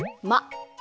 ま！